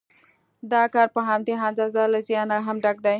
دا کار پر همدې اندازه له زیانه هم ډک دی